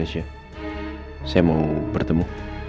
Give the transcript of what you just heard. saya mau bertemu